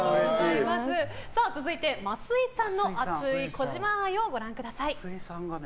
続いて、増井さんの熱い児嶋愛をご覧ください。